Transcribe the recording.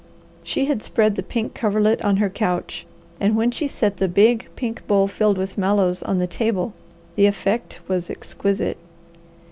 She had spread the pink coverlet on her couch, and when she set the big pink bowl filled with mallows on the table the effect was exquisite.